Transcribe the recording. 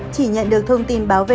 chỉ nhận được thông tin báo về